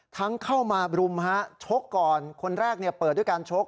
เข้ามารุมฮะชกก่อนคนแรกเปิดด้วยการชก